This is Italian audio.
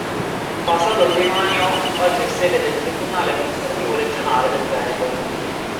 Passato al demanio, oggi è sede del Tribunale Amministrativo Regionale del Veneto.